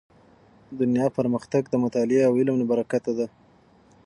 دنیا پرمختګ د مطالعې او علم له برکته دی.